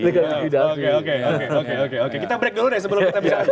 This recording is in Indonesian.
likuidasi oke oke kita break dulu deh sebelum kita bisa ke